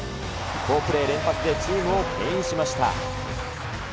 好プレー連発でチームをけん引しました。